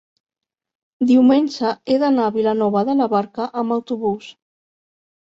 diumenge he d'anar a Vilanova de la Barca amb autobús.